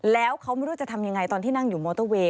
แล้วเขาไม่รู้จะทำยังไงตอนที่นั่งอยู่มอเตอร์เวย